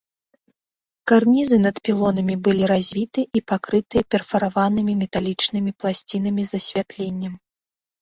Карнізы над пілонамі былі развіты і пакрытыя перфараванымі металічнымі пласцінамі з асвятленнем.